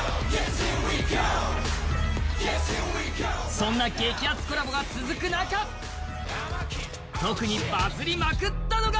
そんな激アツコラボが続く中、特にバズりまくったのが